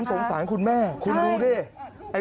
สงสารคุณแม่คุณดูดิ